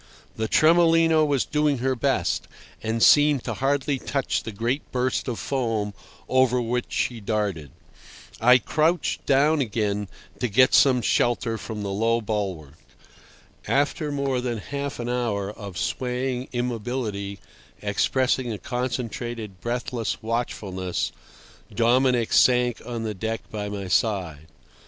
The Tremolino was doing her best, and seemed to hardly touch the great burst of foam over which she darted. I crouched down again to get some shelter from the low bulwark. After more than half an hour of swaying immobility expressing a concentrated, breathless watchfulness, Dominic sank on the deck by my side.